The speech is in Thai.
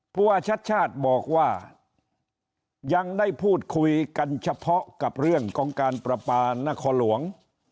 ว่าชัดชาติบอกว่ายังได้พูดคุยกันเฉพาะกับเรื่องของการประปานครหลวง